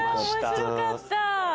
面白かった。